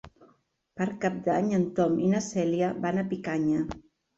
Per Cap d'Any en Tom i na Cèlia van a Picanya.